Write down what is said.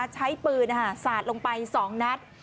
ใช้ปืนสาดลงไป๒นัด